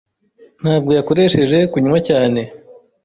ntabwo yakoresheje kunywa cyane.